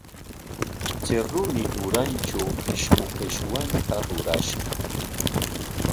Chay rumi urantraw pishqu qishwanta rurashqa.